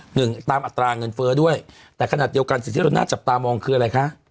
หนึ่งตามอัตราเงินเฟ้อด้วยแต่ขนาดเดียวกันสิ่งที่เราน่าจับตามองคืออะไรคะ